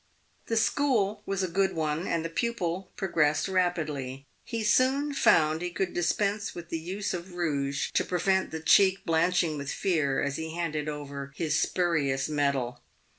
The school was a good one, and the pupil progressed rapidly. He soon found he could dispense with the use of rouge to prevent the cheek blanching with fear as he handed over his spurious metal.